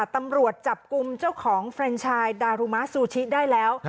ตำรวจจับกลุ่มเจ้าของเฟรนชายดารุมะซูชิได้แล้ว